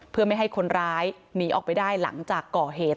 เพื่อไม่ให้คนร้ายหนีออกไปได้หลังจากก่อเหตุ